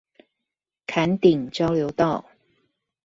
崁頂交流道